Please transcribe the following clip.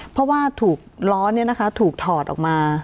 เพราะว่าถูกล้อเนี่ยนะคะถูกถอดออกมา